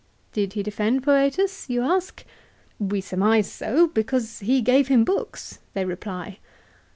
" Did he defend Foetus ?" you ask. " We surmise so ; because he gave him books," they reply.